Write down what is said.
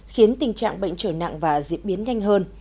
khiến tình trạng bệnh trở nặng và diễn biến nhanh hơn